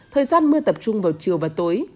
thời gian mưa tập trung vào chiều và tối